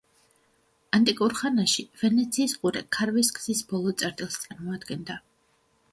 ანტიკურ ხანაში, ვენეციის ყურე ქარვის გზის ბოლო წერტილს წარმოადგენდა.